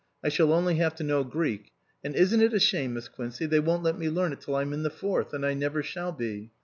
I shall only have to know Greek, and isn't it a shame, Miss Quincey, they won't let me learn it till I'm in the Fourth, and I never shall be.